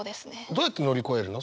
どうやって乗り越えるの？